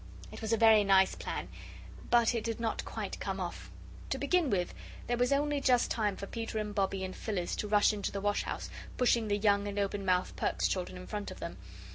It was a very nice plan, but it did not quite come off. To begin with, there was only just time for Peter and Bobbie and Phyllis to rush into the wash house, pushing the young and open mouthed Perks children in front of them.